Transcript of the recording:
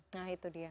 nah itu dia